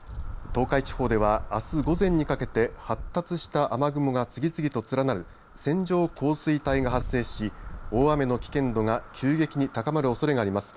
東海地方では、あす午前にかけて発達した雨雲が次々と連なる線状降水帯が発生し大雨の危険度が急激に高まるおそれがあります。